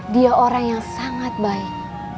dia orang yang sangat baik